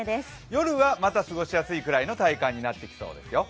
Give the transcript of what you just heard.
夜はまた過ごしやすいくらいの体感になってきそうですよ。